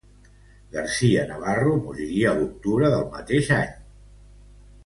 García Navarro moriria l'octubre del mateix any.